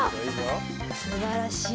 すばらしい。